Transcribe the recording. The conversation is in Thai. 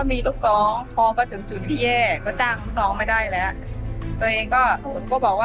มีลูกสาวคนเดียว